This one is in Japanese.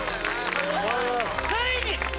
ついに！